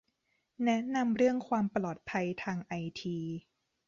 แนะนำเรื่องความปลอดภัยทางไอที